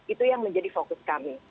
itu yang menjadi fokus kami